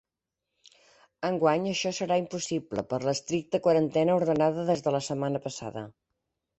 Enguany, això serà impossible, per l’estricta quarantena ordenada des de la setmana passada.